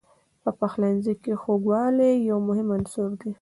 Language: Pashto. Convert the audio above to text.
په پخلنځي کې خوږوالی یو مهم عنصر دی.